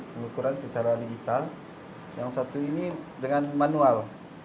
pengukuran secara digital yang satu ini dengan manual